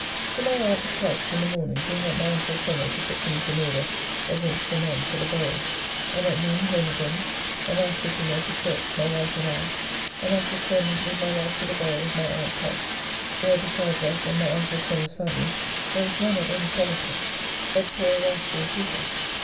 To my aunt Kite's in the morning to help my uncle Fenner to put things in order against anon for the buriall, and at noon home again; and after dinner to church, my wife and I, and after sermon with my wife to the buriall of my aunt Kite, where besides us and my uncle Fenner's family, there was none of any quality, but poor rascally people.